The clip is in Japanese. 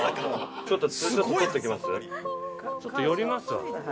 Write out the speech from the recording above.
ちょっと寄りますわ。